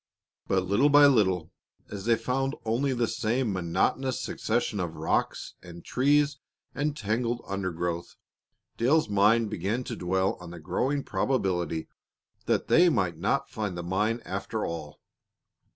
But little by little, as they found only the same monotonous succession of rocks and trees and tangled undergrowth, Dale's mind began to dwell on the growing probability that they might not find the mine after all.